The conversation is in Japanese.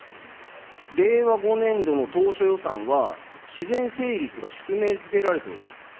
令和５年度の当初予算は、自然成立が宿命づけられております。